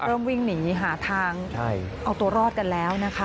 เริ่มวิ่งหนีหาทางเอาตัวรอดกันแล้วนะครับ